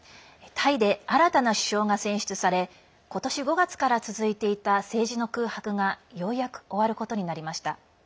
タイで新たな首相が選出され今年５月から続いていた政治の空白がようやく終わることになりました。